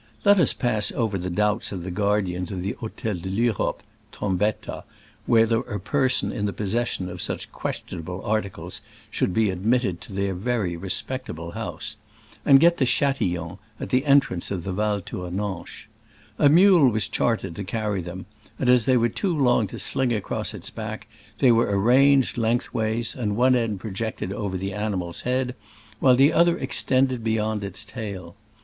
Let us pass over the doubts of the guardians of the Hotfel d' Europe (Trombetta) whether a person in the possession of such questionable articles should be admitted to their very respect able house, and get to Chatillon, at the entrance of the Val Tournanche. A mule was chartered to carry them, and as they were too long to sling across its back, they were arranged lengthways, and one end projected over the ani mal's head, while the other extended beyond its tail.